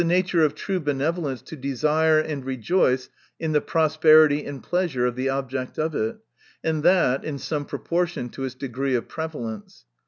nature of true benevolence to desire and rejoice in the prosperity and pleasure of the object of it ; and that, in some proportion to its degree of prevalence.